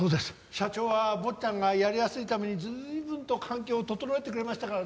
社長は坊ちゃんがやりやすいために随分と環境を整えてくれましたからね。